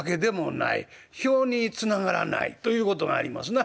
票につながらないということがありますな。